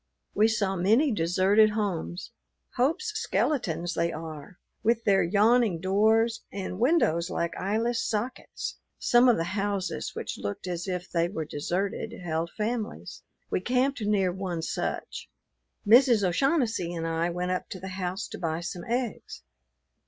We saw many deserted homes. Hope's skeletons they are, with their yawning doors and windows like eyeless sockets. Some of the houses, which looked as if they were deserted, held families. We camped near one such. Mrs. O'Shaughnessy and I went up to the house to buy some eggs.